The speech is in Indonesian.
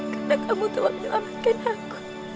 karena kamu telah menyelamatkan aku